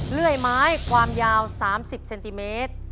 เลื่อยไม้ความยาว๓๐เซนติเมตร